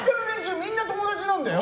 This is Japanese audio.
みんな友達なんだよ。